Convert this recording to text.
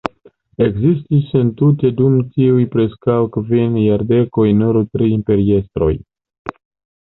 Ekzistis entute dum tiuj preskaŭ kvin jardekoj nur tri imperiestroj.